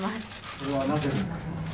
それはなぜですか？